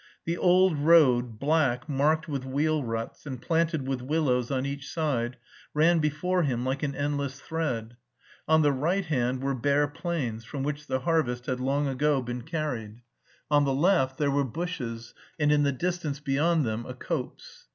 The old road, black, marked with wheel ruts and planted with willows on each side, ran before him like an endless thread; on the right hand were bare plains from which the harvest had long ago been carried; on the left there were bushes and in the distance beyond them a copse.